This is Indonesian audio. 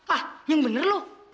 ah yang bener lu